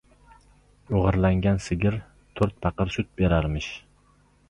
• O‘g‘irlangan sigir to‘rt paqir sut berarmish.